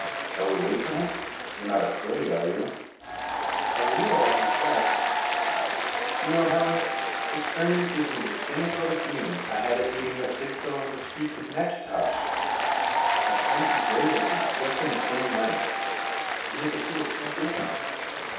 Shall we wait for him? You're not afraid, are you?" "A little, I confess. Do you know, Helen, this Fernand gives me the same sort of feeling I had at meeting that big fellow in the streets of Natchitoches. At times he glares at me just in the same way. And yet the two are so different."